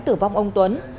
tử vong ông tuấn